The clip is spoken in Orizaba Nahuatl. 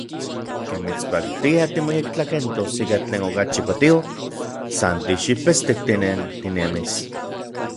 Ken mitspaktia timoyektlakentos ika tlen okachi patio, san tixipestik tinentinemis.